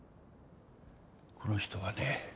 この人はね